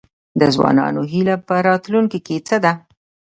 د ځوانانو هیله په راتلونکي څه ده؟